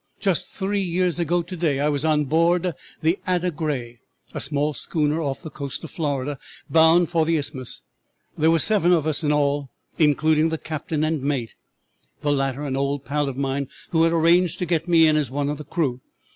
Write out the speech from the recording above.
"'Just three years ago to day I was on board the "Ada Gray," a small schooner off the coast of Florida, bound for the Isthmus. There were seven of us in all, including the captain and mate, the latter an old pal of mine who had arranged to get me in as one of the crew.